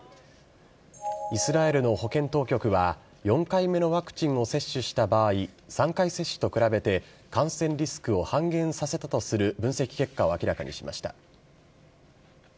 イスラエルの保健当局は４回目のワクチンを接種した場合、３回接種と比べて感染リスクを半減させたとする分析結果を明らかにしました。